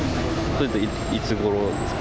それっていつごろですか。